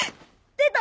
出た！